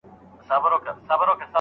د ارغنداب سیند د خاورې بوی تازه وي.